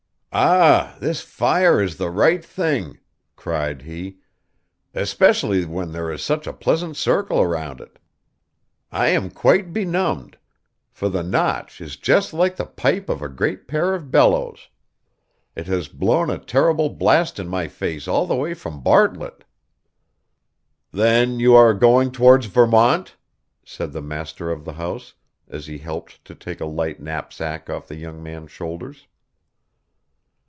'Ah, this fire is the right thing!' cried he; 'especially when there is such a pleasant circle round it. I am quite benumbed; for the Notch is just like the pipe of a great pair of bellows; it has blown a terrible blast in my face all the way from Bartlett.' 'Then you are going towards Vermont?' said the master of the house, as he helped to take a light knapsack off the young man's shoulders.